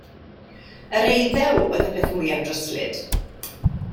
Yr eiddew oedd y peth mwyaf dryslyd.